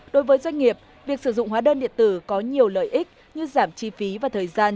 đối với doanh nghiệp việc sử dụng hóa đơn điện tử có nhiều lợi ích như giảm chi phí và thời gian